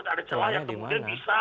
ada celah yang kemudian bisa